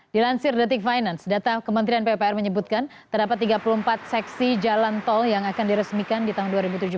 dilansir detik finance data kementerian pupr menyebutkan terdapat tiga puluh empat seksi jalan tol yang akan diresmikan di tahun dua ribu tujuh belas